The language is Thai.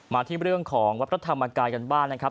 มาที่เรื่องของวัฒนธรรมกายกลางบ้านนะครับ